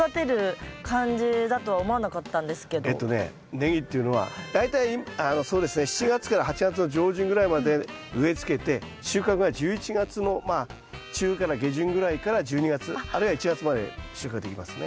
ネギっていうのは大体そうですね７月から８月の上旬ぐらいまで植えつけて収穫が１１月のまあ中から下旬ぐらいから１２月あるいは１月まで収穫ができますね。